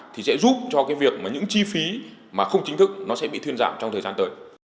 thì sẽ giúp cho cái việc mà những chi phí mà không chính thức nó sẽ bị thuyên giảm trong thời gian tới